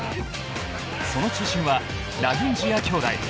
その中心はラグンジヤ兄弟。